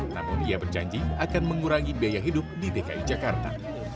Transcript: namun ia berjanji akan mengurangi biaya hidup di dki jakarta